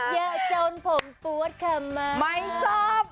เยอะจนผมปวดข้ามา